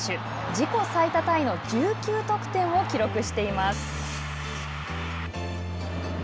自己最多タイの１９得点を記録しています。